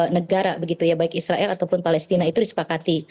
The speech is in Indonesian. negara begitu ya baik israel ataupun palestina itu disepakati